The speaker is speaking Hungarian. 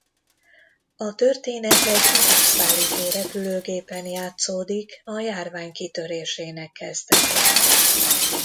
A történet egy utasszállító repülőgépen játszódik a járvány kitörésének kezdetén.